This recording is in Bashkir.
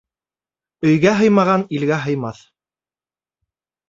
Өйгә һыймаған илгә һыймаҫ.